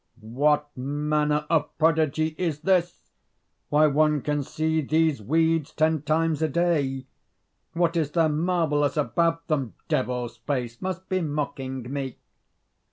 "What manner of prodigy is this? why, one can see these weeds ten times a day. What is there marvellous about them? Devil's face must be mocking me!"